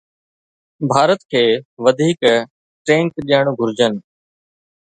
ڀارت کي وڌيڪ ٽينڪ ڏيڻ گهرجن.